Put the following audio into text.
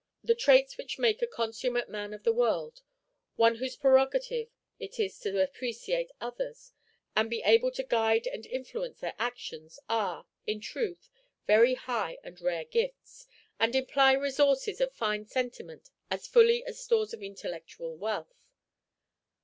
The traits which make a consummate man of the world one whose prerogative it is to appreciate others, and be able to guide and influence their actions are, in truth, very high and rare gifts, and imply resources of fine sentiment as fully as stores of intellectual wealth.